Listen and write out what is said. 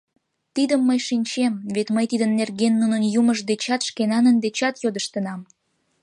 Тидым мый шинчем, вет мый тидын нерген нунын Юмышт дечат, шкенанын дечат йодыштынам.